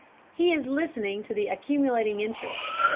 He is listening to the accumulating interest.